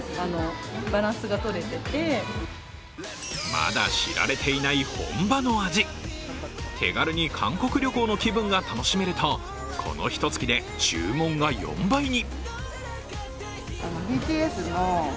まだ知られていない本場の味、手軽に韓国旅行の気分が楽しめるとこのひとつきで、注文が４倍に。